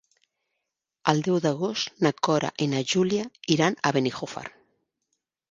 El deu d'agost na Cora i na Júlia iran a Benijòfar.